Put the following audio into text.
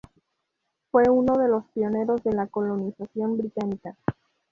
Fue uno de los pioneros de la colonización británica.